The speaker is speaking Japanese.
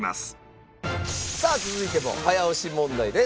さあ続いても早押し問題です。